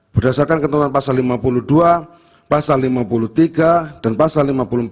berdasarkan ketentuan pasal lima puluh dua pasal lima puluh tiga dan pasal lima puluh empat